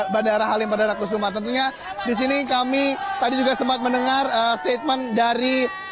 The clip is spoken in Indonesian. bandara halim bandara kusuma tentunya di sini kami tadi juga sempat mendengar statement dari